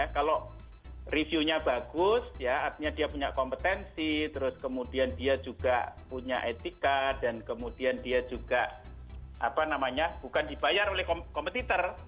kalau reviewnya bagus ya artinya dia punya kompetensi terus kemudian dia juga punya etika dan kemudian dia juga bukan dibayar oleh kompetitor